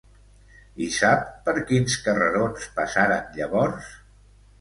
I sap per quins carrerons passaren llavors?